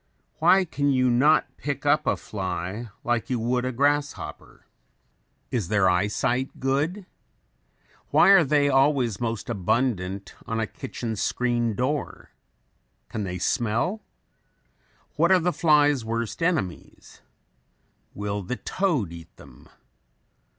Why can you not pick up a fly like you would a grasshopper? Is their eye sight good? Why are they always most abundant on a kitchen screen door? Can they smell? What are the fly's worst enemies? Will the toad eat them?